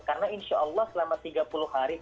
karena insya allah selama tiga puluh hari